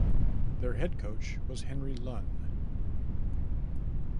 Their head coach was Henry Luhn.